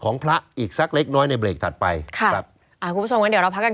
พระอีกสักเล็กน้อยในเบรกถัดไปค่ะครับอ่าคุณผู้ชมงั้นเดี๋ยวเราพักกัน